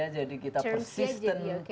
jadi kita persisten